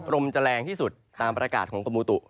ลมจะแรงที่สุดตามประกาศของกรมูตุ